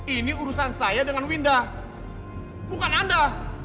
ini urusan saya dengan winda bukan anda